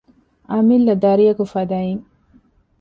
އަމިއްލަ ދަރިއަކު ފަދައިން